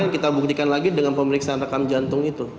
kita buktikan lagi dengan pemeriksaan rekam jantung itu